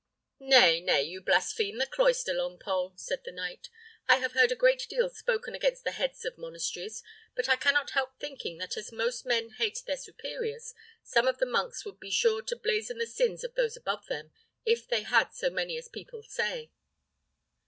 "Nay, nay, you blaspheme the cloister, Longpole," said the knight. "I have heard a great deal spoken against the heads of monasteries; but I cannot help thinking that as most men hate their superiors, some of the monks would be sure to blazon the sins of those above them, if they had so many as people say."